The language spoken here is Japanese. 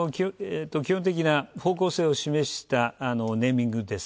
基本的な方向性を示したネーミングです。